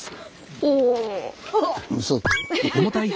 おお。